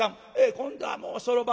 今度はもうそろばん